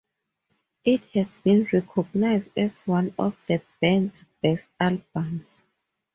It has been recognized as one of the band's best albums.